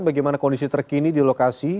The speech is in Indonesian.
bagaimana kondisi terkini di lokasi